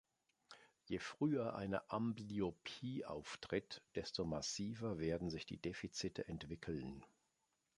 Je früher eine Amblyopie auftritt, desto massiver werden sich die Defizite entwickeln.